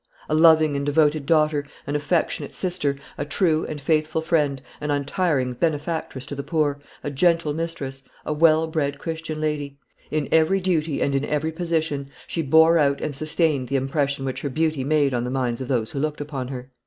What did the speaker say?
A loving and devoted daughter, an affectionate sister, a true and faithful friend, an untiring benefactress to the poor, a gentle mistress, a well bred Christian lady; in every duty and in every position she bore out and sustained the impression which her beauty made on the minds of those who looked upon her.